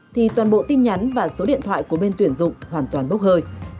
thì toàn bộ tin nhắn và số điện thoại của bên tuyển dụng hoàn toàn bốc hơi